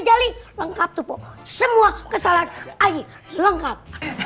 jali lengkap tuh po semua kesalahan ayik lengkap